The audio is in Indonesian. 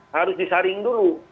harus disaring dulu